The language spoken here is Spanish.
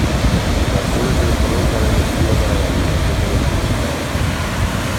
El azul es el color que han elegido para la habitación de los invitados.